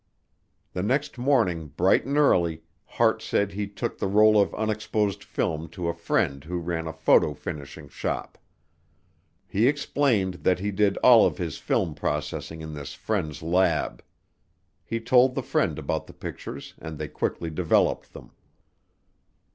The next morning bright and early Hart said he took the roll of unexposed film to a friend who ran a photo finishing shop. He explained that he did all of his film processing in this friend's lab. He told the friend about the pictures and they quickly developed them.